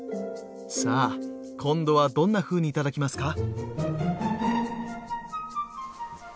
さあ今度はどんなふうに頂きますか？